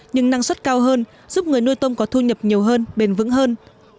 nhưng năng suất cao hơn giúp người nuôi tôm có thu nhập nhiều hơn bền vững hơn